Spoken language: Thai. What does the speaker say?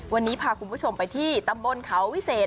วันนี้พาคุณผู้ชมไปที่ตำบลเขาวิเศษ